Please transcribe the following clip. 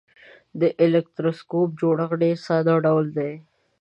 د الکتروسکوپ جوړښت ډیر ساده ډول دی.